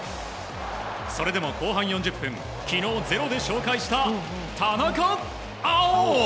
それでも後半４０分、昨日「ｚｅｒｏ」で紹介した田中碧！